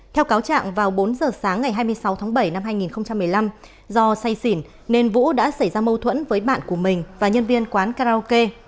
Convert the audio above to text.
theo cáo trạng vào bốn giờ sáng ngày hai mươi sáu tháng bảy năm hai nghìn một mươi năm do say xỉn nên vũ đã xảy ra mâu thuẫn với bạn của mình và nhân viên quán karaoke